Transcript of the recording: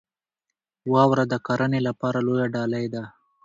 واوره د کرنې لپاره لویه ډالۍ ده.